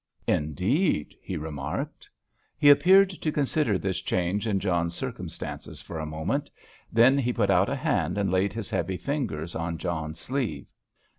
"Indeed," he remarked. He appeared to consider this change in John's circumstances for a moment, then he put out a hand and laid his heavy fingers on John's sleeve.